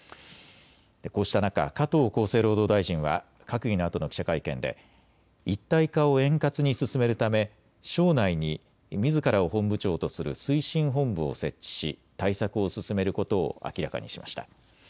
こうした中、加藤厚生労働大臣は閣議のあとの記者会見で一体化を円滑に進めるため省内にみずからを本部長とする推進本部を設置し、対策を進めることを明らかにしました。